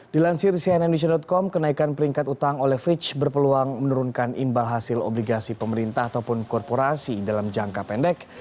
dilansir cnn indonesia com kenaikan peringkat utang oleh fitch berpeluang menurunkan imbal hasil obligasi pemerintah ataupun korporasi dalam jangka pendek